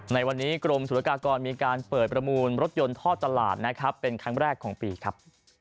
ในวันนี้กรมศุลกากรมีการเปิดประมูลรถยนต์ท่อตลาดนะครับเป็นครั้งแรกของปีครับ